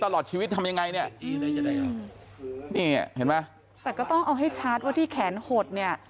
ตลอดชีวิตทำยังไงเนี่ยนี่เห็นไหมแต่ก็ต้องเอาให้ชัดว่าที่แขนหดเนี่ย